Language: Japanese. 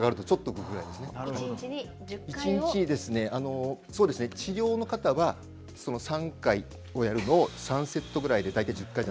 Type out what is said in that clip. １日に治療の方は３回やるのを３セットぐらいで大体１０回。